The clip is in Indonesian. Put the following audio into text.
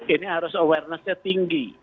ini harus awareness nya tinggi